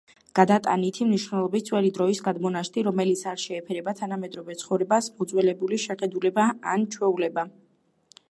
გადატანითი მნიშვნელობით: ძველი დროის გადმონაშთი, რომელიც არ შეეფერება თანამედროვე ცხოვრებას; მოძველებული შეხედულება ან ჩვეულება.